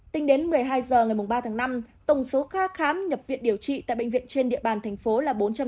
tính đến một mươi hai h ngày ba tháng năm tổng số ca khám nhập viện điều trị tại bệnh viện trên địa bàn thành phố là bốn trăm tám mươi một ca